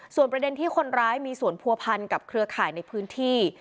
ส่วนประเด็นที่คนร้ายมีส่วนผัวพันกับเครือข่ายในพื้นที่